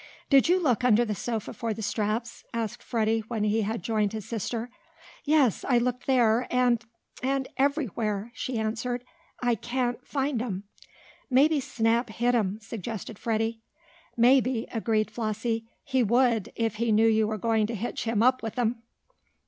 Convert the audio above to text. "Did you look under the sofa for the straps?" asked Freddie when he had joined his sister. "Yes. I looked there, and and everywhere," she answered. "I can't find 'em." "Maybe Snap hid 'em," suggested Freddie. "Maybe," agreed Flossie. "He would, if he knew you were going to hitch him up with 'em."